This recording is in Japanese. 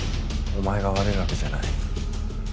おまえが悪いわけじゃない。